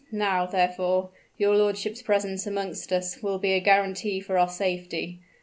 Now, therefore, your lordship's presence amongst us will be a guarantee for our safety.